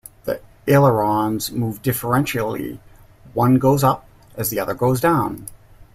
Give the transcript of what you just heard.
The ailerons move differentially - one goes up as the other goes down.